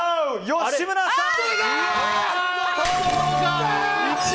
吉村さん！